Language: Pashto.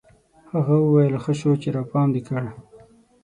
هغه ويل ښه سو چې راپام دي کړ.